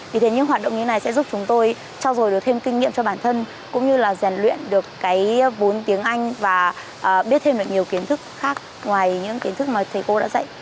vì thế những hoạt động như này sẽ giúp chúng tôi trao dồi được thêm kinh nghiệm cho bản thân cũng như là giàn luyện được cái vốn tiếng anh và biết thêm được nhiều kiến thức khác ngoài những kiến thức mà thầy cô đã dạy